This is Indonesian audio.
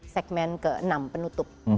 segmen ke enam penutup